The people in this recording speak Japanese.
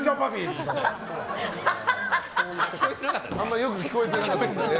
あんまりよく聞こえてなかったですね。